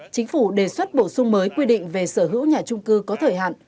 chính phủ đề xuất bổ sung mới quy định về sở hữu nhà trung cư có thời hạn